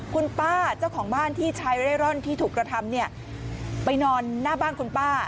คุณป้าเจ้าของบ้านที่ชายเร่ร่อนที่ถูกกระทำเนี่ยไปนอนหน้าบ้านคุณป้า